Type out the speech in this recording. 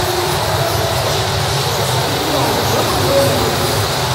Ihi yeɛjeb-awen waya?